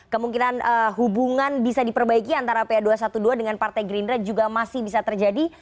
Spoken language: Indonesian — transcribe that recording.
kemungkinan hubungan bisa diperbaiki antara pa dua ratus dua belas dengan partai gerindra juga masih bisa terjadi